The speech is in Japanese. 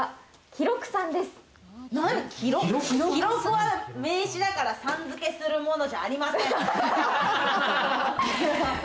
記録は名詞だから、さん付けするものじゃありません。